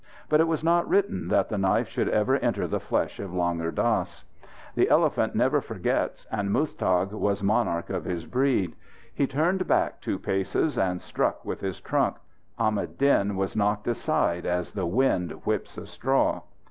But it was not written that the knife should ever enter the flesh of Langur Dass. The elephant never forgets, and Muztagh was monarch of his breed. He turned back two paces, and struck with his trunk. Ahmad Din was knocked aside as the wind whips a straw.